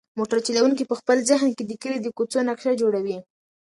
موټر چلونکی په خپل ذهن کې د کلي د کوڅو نقشه جوړوي.